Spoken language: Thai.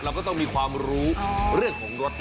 เราก็ต้องมีความรู้เรื่องของรถ